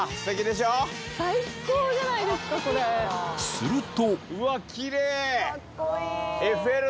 すると